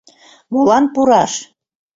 Молан пураш?